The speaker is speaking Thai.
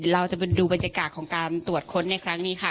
เราจะไปดูบรรยากาศของการตรวจค้นในครั้งนี้ค่ะ